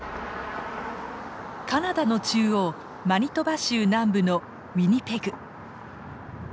カナダの中央マニトバ州南部のウィニペグ。